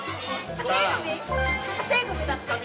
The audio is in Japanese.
家庭ごみだって。